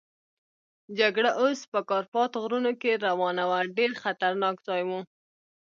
جګړه اوس په کارپات غرونو کې روانه وه، ډېر خطرناک ځای وو.